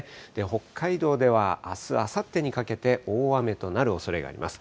北海道ではあす、あさってにかけて、大雨となるおそれがあります。